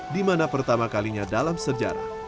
di mana pertama kalinya dalam sejarah